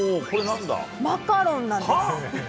マカロンなんです。